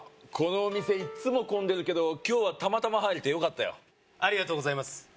このお店いっつも混んでるけど今日はたまたま入れてよかったよありがとうございます